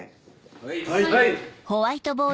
はい。